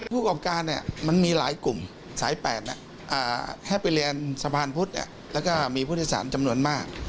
ประกอบการมันมีหลายกลุ่มสาย๘ให้ไปเรียนสะพานพุทธแล้วก็มีผู้โดยสารจำนวนมาก